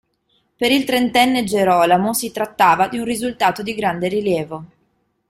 Per il trentenne Gerolamo si trattava di un risultato di grande rilievo.